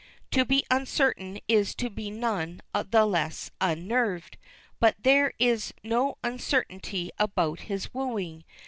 To be uncertain is to be none the less unnerved but there is no uncertainty about his wooing.